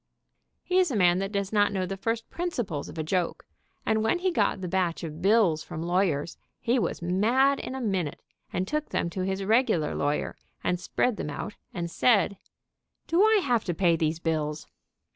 He is a man that does not know the first principles of a joke, and when he got the batch of bills from lawyers, he was mad in a minute, and took them to his regular lawyer and spread them out and said : "Do I have to pay these bills?"